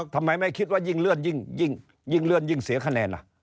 ทำไมไม่คิดว่ายิ่งเลื่อนยิ่งเสียคะแนน